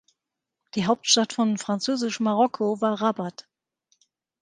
Die Hauptstadt von Französisch-Marokko war Rabat.